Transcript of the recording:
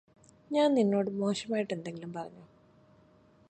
ഞാൻ നിന്നോട് മോശമായിട്ടെന്തെങ്കിലും പറഞ്ഞോ?